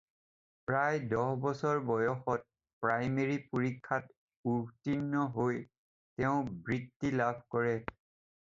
প্ৰায় দহ বছৰ বয়সত প্ৰাইমেৰী পৰীক্ষাত উৰ্ত্তীৰ্ণ হৈ তেওঁ বৃত্তি লাভ কৰে।